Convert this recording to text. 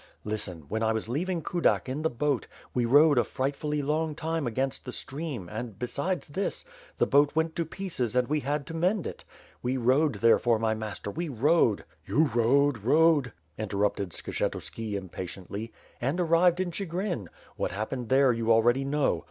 Listen, when I was leaving Kudak in the boat, we rowed a frightfully long time against the stream and, besides this, the boat went to pieces and we had to mend it. We rowed, therefore, my master, we rowed, ...." ^TTou rowed, rowed!" interrupted Skshetuski impatiently. "And arrived in Chigrin. Wha't happened there, you al ready know."